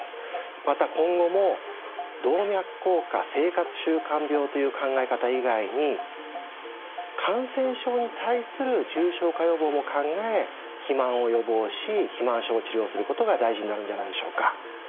また今後も動脈硬化生活習慣病という考え方以外に感染症に対する重症化予防も考え肥満を予防し肥満症を治療することが大事になるんじゃないでしょうか。